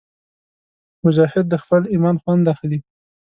مجاهد د خپل ایمان خوند اخلي.